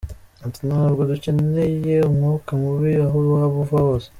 Ati "Ntabwo dukeneye umwuka mubi aho waba uva hose.